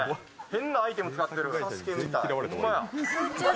変なアイテム使ってる。